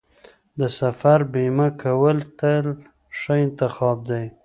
د سفر بیمه کول تل ښه انتخاب دی.